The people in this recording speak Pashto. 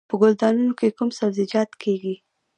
په ګلدانونو کې کوم سبزیجات کیږي؟